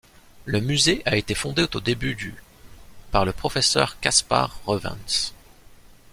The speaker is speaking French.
Le musée a été fondé au début du par le professeur Caspar Reuvens.